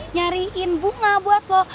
nyariin bunga buat lo